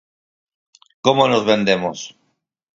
Como nos vendemos?